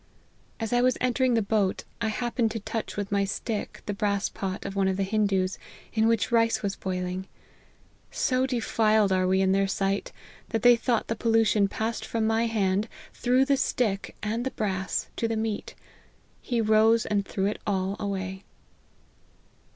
As I was entering the boat, I happened to touch with my stick the brass pot of one of the Hindoos, in which rice was boiling. So de filed are we in their sight, that they thought the pollution passed from my hand, through the stick and the brass, to the meat. He rose and threw it all away."